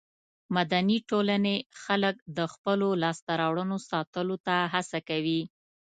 مدني ټولنې خلک د خپلو لاسته راوړنو ساتلو ته هڅوي.